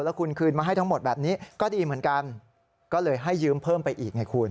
แล้วคุณคืนมาให้ทั้งหมดแบบนี้ก็ดีเหมือนกันก็เลยให้ยืมเพิ่มไปอีกไงคุณ